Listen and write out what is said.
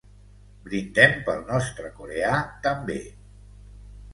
Brindem pel nostre coreà, també!